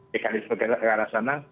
mekanisme ke arah sana